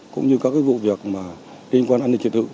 cũng như các cái vụ việc mà liên quan an ninh trật tự